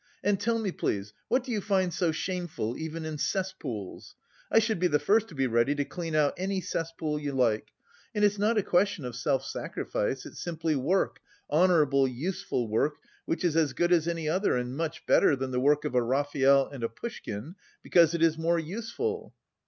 And tell me, please, what do you find so shameful even in cesspools? I should be the first to be ready to clean out any cesspool you like. And it's not a question of self sacrifice, it's simply work, honourable, useful work which is as good as any other and much better than the work of a Raphael and a Pushkin, because it is more useful."